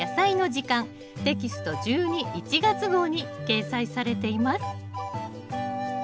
テキスト１２・１月号に掲載されています。